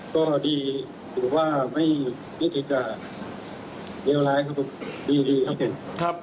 ก็ดีหรือว่าไม่มีเจอกับเลวร้ายครับผม